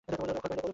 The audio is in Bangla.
অক্ষয় কহিল, বল কী!